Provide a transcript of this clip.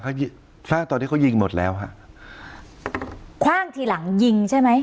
เขายิงตอนที่เขายิงหมดแล้วฮะคว่างทีหลังยิงใช่ไหม